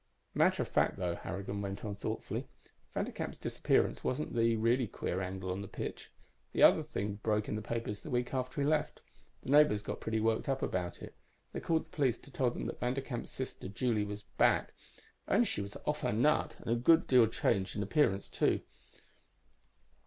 "Matter of fact, though," Harrigan went on thoughtfully, "Vanderkamp's disappearance wasn't the really queer angle on the pitch. The other thing broke in the papers the week after he left. The neighbors got pretty worked up about it. They called the police to tell them that Vanderkamp's sister Julie was back, only she was off her nut and a good deal changed in appearance, too.